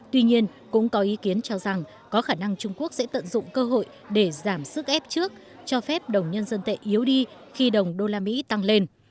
tuy nhiên cũng có ý kiến cho rằng có khả năng trung quốc sẽ tận dụng cơ hội để giảm sức ép trước cho phép đồng nhân dân tệ yếu đi khi đồng đô la mỹ tăng lên